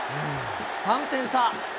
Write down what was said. ３点差。